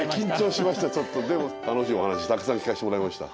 でも楽しいお話たくさん聞かしてもらいました。